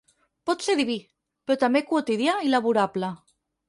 Pot ser diví, però també quotidià i laborable.